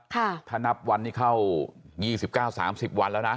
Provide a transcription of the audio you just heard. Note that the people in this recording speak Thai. ถ้านับวันนี้เข้า๒๙๓๐วันแล้วนะ